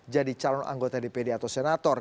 jadi calon anggota dpd atau senator